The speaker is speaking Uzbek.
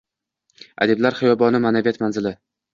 Adiblar xiyoboni - maʼnaviyat manzili